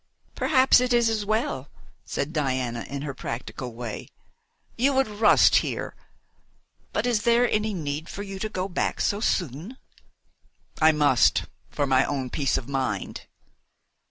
"Perhaps it is as well," said Diana, in her practical way. "You would rust here. But is there any need for you to go back so soon?" "I must for my own peace of mind."